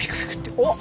おっ！